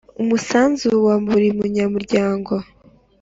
Umusanzu wa buri munyamuryango